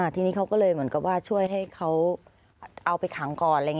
ทีนี้เขาก็เลยเหมือนกับว่าช่วยให้เขาเอาไปขังก่อน